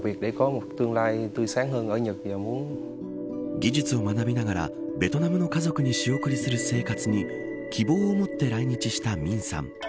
技術を学びながらベトナムの家族に仕送りする生活に希望を持って来日したミンさん。